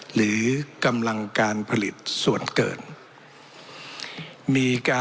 หรือกำลังการผลิตส่วนเกินมีการ